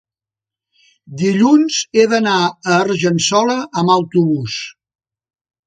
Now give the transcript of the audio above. dilluns he d'anar a Argençola amb autobús.